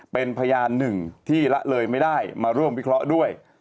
เป็นพยานหนึ่งที่ละเลยไม่ได้มาร่วมวิเคราะห์ด้วย